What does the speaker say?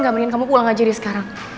gak mendingin kamu pulang aja deh sekarang